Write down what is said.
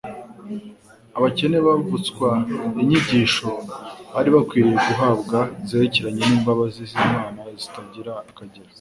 abakene bavutswa inyigisho bari bakwiriye guhabwa zerekeranye n'imbabazi z'Imana zitagira akagero,